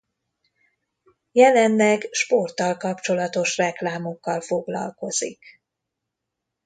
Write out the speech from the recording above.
Jelenleg sporttal kapcsolatos reklámokkal foglalkozik.